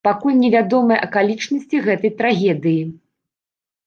Пакуль невядомыя акалічнасці гэтай трагедыі.